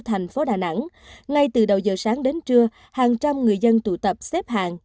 thành phố đà nẵng ngay từ đầu giờ sáng đến trưa hàng trăm người dân tụ tập xếp hàng